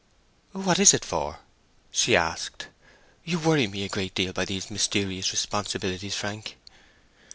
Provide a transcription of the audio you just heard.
"What is it for?" she asked. "You worry me a great deal by these mysterious responsibilities, Frank."